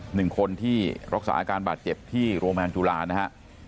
หนึ่งคนที่รักษาอาการบาดเจ็บที่โรงพยาบาลจุฬานะฮะ